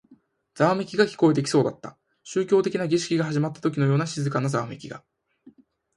ざわめきが聞こえてきそうだった。宗教的な儀式が始まったときのような静かなざわめきが。